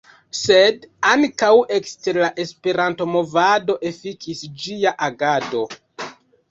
Sed ankaŭ ekster la Esperanto-movado efikis ĝia agado.